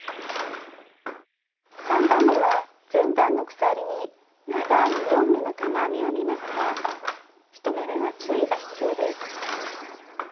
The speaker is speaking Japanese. ３段めは前段の鎖に長編み４目の玉編みを編みますが１目めは注意が必要です。